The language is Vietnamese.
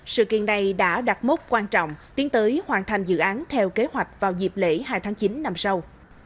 sự kiện này đã đặt mốc quan trọng tiến tới hoàn thành dự án theo kế hoạch vào dịp lễ hai tháng chín năm sau